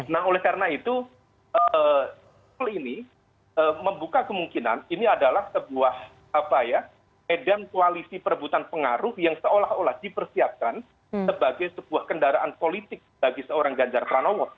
nah oleh karena itu hal ini membuka kemungkinan ini adalah sebuah medan koalisi perebutan pengaruh yang seolah olah dipersiapkan sebagai sebuah kendaraan politik bagi seorang ganjar pranowo